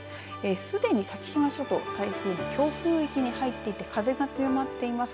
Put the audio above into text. すでに先島諸島台風の強風域に入っていて風が強まっています。